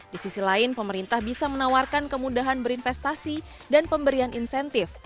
di sisi lain pemerintah bisa menawarkan kemudahan berinvestasi dan pemberian insentif